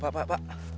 pak pak pak